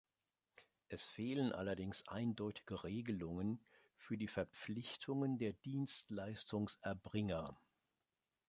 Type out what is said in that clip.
Es fehlen allerdings eindeutige Regelungen für die Verpflichtungen der Dienstleistungserbringer.